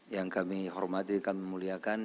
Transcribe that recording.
yang kami hormati kami muliakan